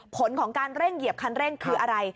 ผลของการเร่งเหยียบคันเร่งคืออะไร